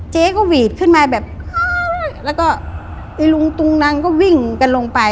เจ๊ก็หวีดขึ้นมาแบบแล้วก็ไอ้ลุงตุงนังก็วิ่งกันลงไป